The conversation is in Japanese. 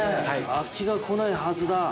◆飽きが来ないはずだ。